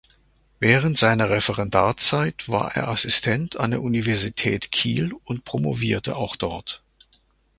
Während seiner Referendarzeit war er Assistent an der Universität Kiel und promovierte auch dort.